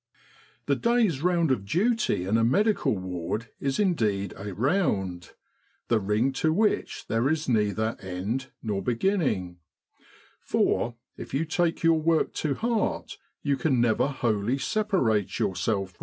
"The day's round of duty in a medical ward is indeed a round the ring to which there is neither end nor beginning. For, if you take your work to heart, you can never wholly separate yourself from it, 240 MEDICAL AID POST, SUEZ CANAL ZONE.